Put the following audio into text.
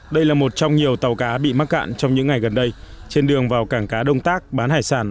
đây là một trong nhiều tàu cá bị mắc cạn trong những ngày gần đây trên đường vào cảng cá đông tác bán hải sản